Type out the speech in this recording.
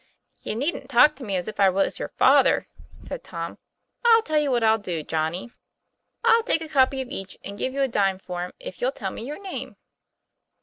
"You needn't talk to me as if I was your father," said Tom. " I'll tell you what I'll do, Johnnie: I'll 136 TOM PLA YFAIR. take a copy of each and give you a dime for 'em if you'll tell me your name."